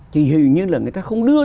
thì hình như là người ta không đưa